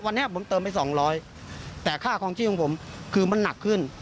วันนี้ผมเติมไปสองร้อยแต่ค่าคลองชีพของผมคือมันหนักขึ้น